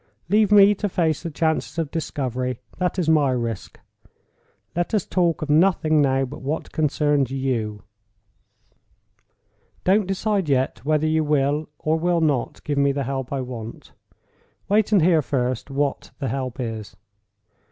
Leave me to face the chances of discovery—that is my risk. Let us talk of nothing now but what concerns you. Don't decide yet whether you will, or will not, give me the help I want. Wait, and hear first what the help is.